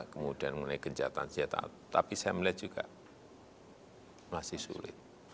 kemudian mulai gencatan senjata tapi saya melihat juga masih sulit